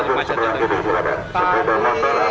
dimana kenanya dimana macetnya tadi